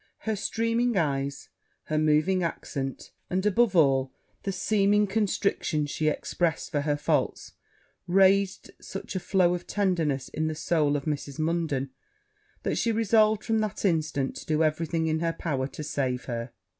Her streaming eyes, her moving accent, and, above all, the seeming contrition she expressed for her faults, raised such a flow of tenderness in the soul of Mrs. Munden, that she resolved from that instant to do every thing in her power to save her.